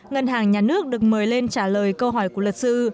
ngân hàng nhà nước được mời lên trả lời câu hỏi của luật sư